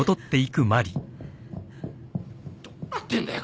どうなってんだよ！